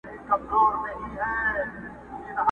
شپې په برخه سوې د غلو او د بمانو!.